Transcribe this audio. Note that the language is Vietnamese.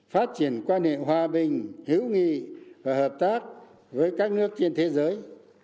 phát triển quan hệ hòa bình hữu nghị và hợp tác với các nước trên thế giới